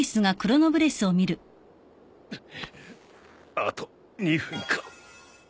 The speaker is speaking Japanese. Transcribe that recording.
あと２分か。